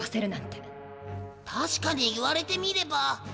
たしかに言われてみれば。